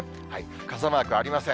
傘マークありません。